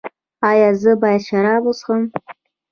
ایا زه باید شراب وڅښم؟